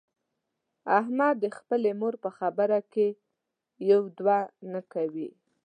احمد د خپلې مور په خبره کې یو دوه نه کوي.